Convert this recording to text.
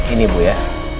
ini bu ya